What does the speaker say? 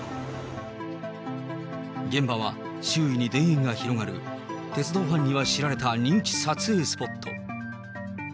現場は周囲に田園が広がる、鉄道ファンには知られた人気撮影スポット。